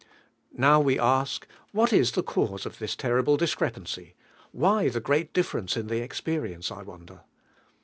Now, we ask, What 'is the cause of this terrible discrepancy? Why the giTill difference in the experience, 1 won iler?